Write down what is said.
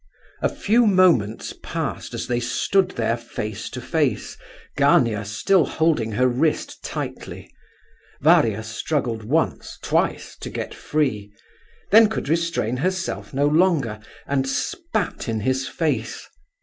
A few moments passed as they stood there face to face, Gania still holding her wrist tightly. Varia struggled once—twice—to get free; then could restrain herself no longer, and spat in his face.